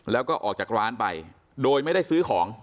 แล้วก็ออกจากร้านไปโดยไม่ได้ซื้อของ